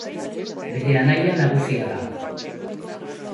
Bere anaia nagusia da.